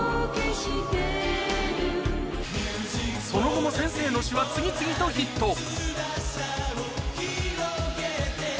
その後も先生の詞は次々とヒット